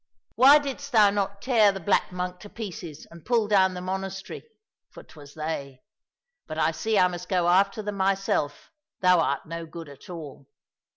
—" Why didst thou not tear the 249 COSSACK FAIRY TALES black monk to pieces and pull down the monastery ? for 'twas they. But I see I must go after them myself, thou art no good at all."